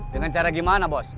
dengan cara gimana bos